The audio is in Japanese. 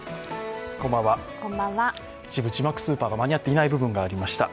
一部、字幕スーパーが間に合っていない部分がありました。